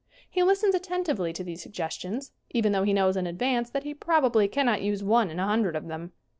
He listens attentively to these suggestions, even though he knows in advance that he probably cannot use one in a hundred of them.